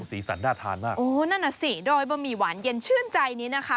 สีสันน่าทานมากโอ้นั่นน่ะสิดอยบะหมี่หวานเย็นชื่นใจนี้นะคะ